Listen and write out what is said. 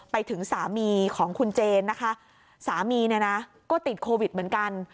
ไปถึงสามีของคุณเจนนะคะสามีเนี่ยนะก็ติดโควิดเหมือนกัน